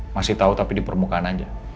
masih tahu tapi di permukaan aja